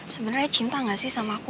sebenernya cinta ga sih sama aku